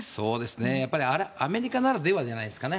やっぱりアメリカならではじゃないですかね。